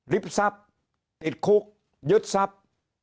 ทรัพย์ติดคุกยึดทรัพย์